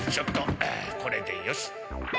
ああこれでよし！